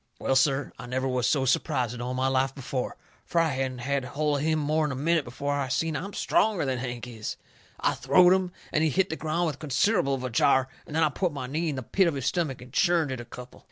Well, sir, I never was so surprised in all my life before. Fur I hadn't had holt on him more'n a minute before I seen I'm stronger than Hank is. I throwed him, and he hit the ground with considerable of a jar, and then I put my knee in the pit of his stomach and churned it a couple.